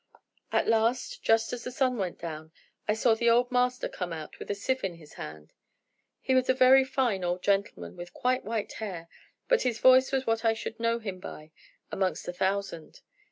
"At last, just as the sun went down, I saw the old master come out with a sieve in his hand. He was a very fine old gentleman with quite white hair, but his voice was what I should know him by amongst a thousand.